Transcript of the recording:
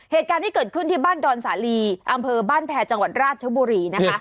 เหตุการณ์ที่เกิดขึ้นที่บ้านดอนสาลีอำเภอบ้านแพรจังหวัดราชบุรีนะคะ